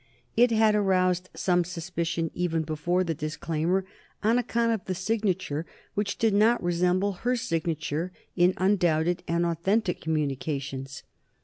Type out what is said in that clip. It had aroused some suspicion even before the disclaimer, on account of the signature, which did not resemble her signature in undoubted and authentic communications.